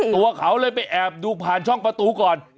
ตัวเขาเลยไปแอบดูผ่านช่องประตูก่อน